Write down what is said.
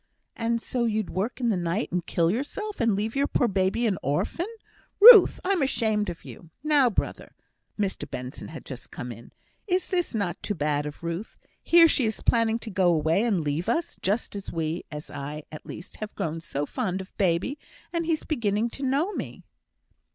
"And so you'd work in the night and kill yourself, and leave your poor baby an orphan. Ruth! I'm ashamed of you. Now, brother" (Mr Benson had just come in), "is not this too bad of Ruth; here she is planning to go away and leave us, just as we as I, at least, have grown so fond of baby, and he's beginning to know me."